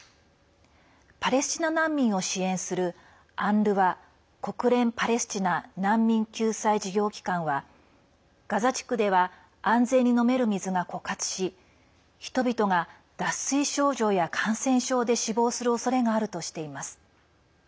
パレスチナ難民を支援するＵＮＲＷＡ＝国連パレスチナ難民救済事業機関はガザ地区では安全に飲める水が枯渇し人々が脱水症状や感染症で死亡するおそれがあるとしています。